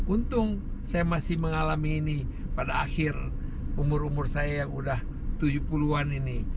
untung saya masih mengalami ini pada akhir umur umur saya yang udah tujuh puluh an ini